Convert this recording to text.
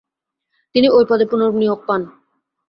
তিনি ওই পদে পুনর্নিয়োগ পান।